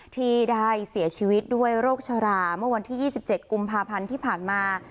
ที่ได้เสียชีวิตด้วยโรคชราเมื่อวันที่๒๗กุมภาพันธ์ที่ผ่านมา